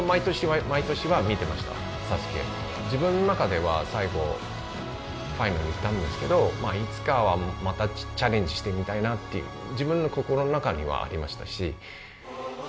自分の中では最後ファイナルいったんですけどいつかはまたチャレンジしてみたいなっていう自分の心の中にはありましたしま